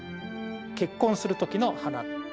結婚する時の花。